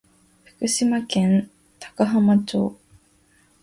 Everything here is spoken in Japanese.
福井県高浜町